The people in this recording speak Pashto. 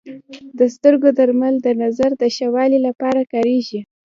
د سترګو درمل د نظر د ښه والي لپاره کارېږي.